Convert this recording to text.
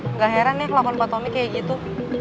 enggak heran ya kelakuan pak tommy kayak gitu